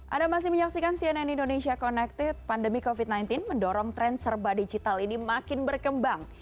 anda masih menyaksikan cnn indonesia connected pandemi covid sembilan belas mendorong tren serba digital ini makin berkembang